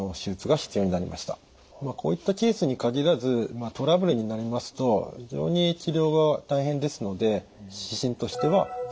こういったケースに限らずトラブルになりますと非常に治療が大変ですので指針としては△。